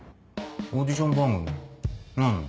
オーディション番組何の？